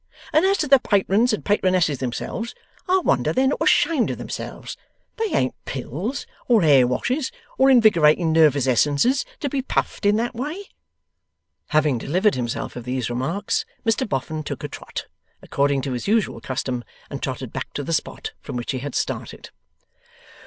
And as to the Patrons and Patronesses themselves, I wonder they're not ashamed of themselves. They ain't Pills, or Hair Washes, or Invigorating Nervous Essences, to be puffed in that way!' Having delivered himself of these remarks, Mr Boffin took a trot, according to his usual custom, and trotted back to the spot from which he had started.